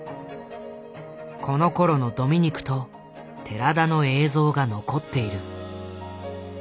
このころのドミニクと寺田の映像が残っている。